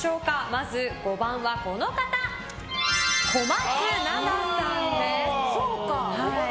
まず５番は、小松菜奈さんです。